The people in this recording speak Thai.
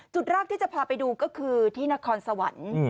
จุดแรกที่จะพาไปดูก็คือที่นครสวรรค์